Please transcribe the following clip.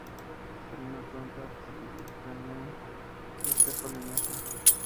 Es una planta perenne de cepa leñosa.